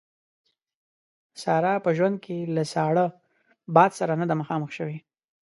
ساره په ژوند کې له ساړه باد سره نه ده مخامخ شوې.